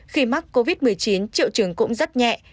khi mắc covid một mươi chín triệu trường cũng rất nhẹ